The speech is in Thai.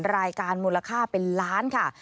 รายการมูลค่าเป็นล้านค่ะ